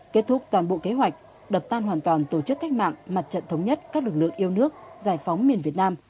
kết thúc toàn bộ kế hoạch đập tan hoàn toàn tổ chức cách mạng mặt trận thống nhất các lực lượng yêu nước giải phóng miền việt nam